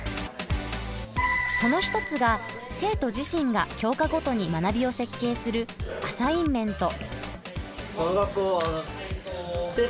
その一つが生徒自身が教科ごとに学びを設計する「アサインメント」。